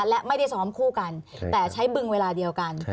และไม่ได้ซ้อมคู่กันแต่ใช้บึงเวลาเดียวกัน